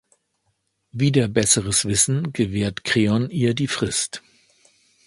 Wider besseres Wissen gewährt Kreon ihr die Frist.